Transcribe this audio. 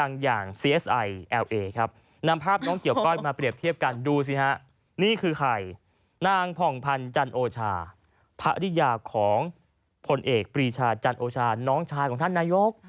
นางผ่องพันธ์จันโอชาภรรยาของผลเอกปรีชาจันโอชาน้องชายของท่านนายก